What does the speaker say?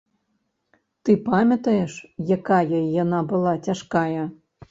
Ты памятаеш, якая яна была цяжкая?